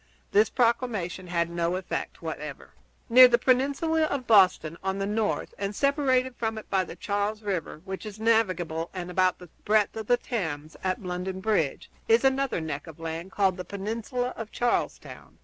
This proclamation had no effect whatever. Near the peninsula of Boston, on the north, and separated from it by the Charles River, which is navigable and about the breadth of the Thames at London Bridge, is another neck of land called the Peninsula of Charlestown.